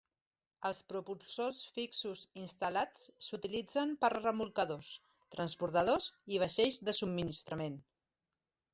Els propulsors fixos instal·lats s'utilitzen per a remolcadors, transbordadors i vaixells de subministrament.